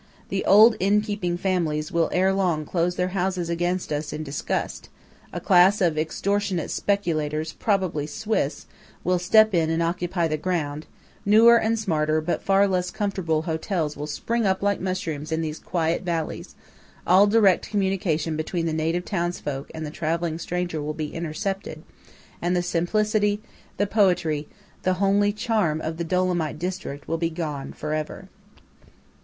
The old inn keeping families will ere long close their houses against us in disgust; a class of extortionate speculators, probably Swiss, will step in and occupy the ground; newer and smarter, but far less comfortable hotels will spring up like mushrooms in these quiet valleys; all direct communication between the native townsfolk and the travelling stranger will be intercepted; and the simplicity, the poetry, the homely charm of the Dolomite district will be gone for ever.